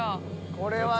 これは。